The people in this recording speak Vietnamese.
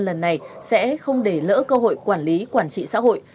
lần này sẽ không để lỡ cơ hội quản lý quản trị xã hội